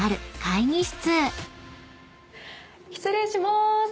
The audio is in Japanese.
失礼しまーす。